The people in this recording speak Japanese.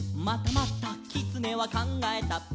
「またまたきつねはかんがえた」